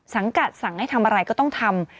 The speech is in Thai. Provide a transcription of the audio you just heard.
สังกัดสั่งให้ทำอะไรก็ต้องทำ